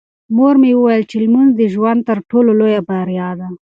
مور مې وویل چې لمونځ د ژوند تر ټولو لویه بریا ده.